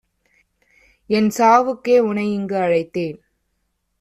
என்சாவுக்கே உனை இங்கு அழைத்தேன்!